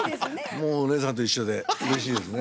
もうおねえさんと一緒でうれしいですね。